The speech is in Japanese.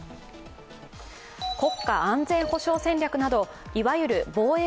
国家安全保障戦略などいわゆる防衛